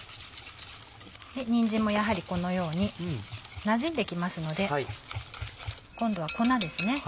にんじんもやはりこのようになじんできますので今度は粉ですね。